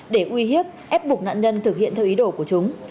để uy hiếp ép buộc nạn nhân thực hiện theo ý đồ của chúng